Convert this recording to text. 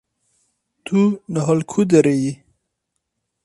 Tu niha li ku derê yî?